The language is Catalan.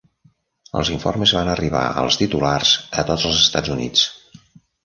Els informes van arribar als titulars a tots els Estats Units.